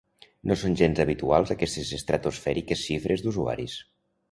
No són gens habituals, aquestes estratosfèriques xifres d’usuaris.